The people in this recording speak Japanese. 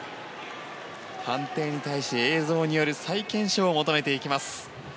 判定に対し、映像による再検証を求めていきます。